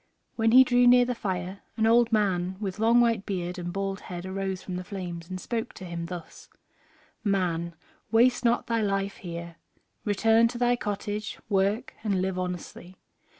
When he drew near the fire an old man with long white beard and bald head arose from the flames and spoke to him thus: "Man, waste not thy life here; return to thy cottage, work, and live honestly.